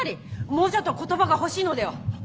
もうちょっと言葉が欲しいのでは？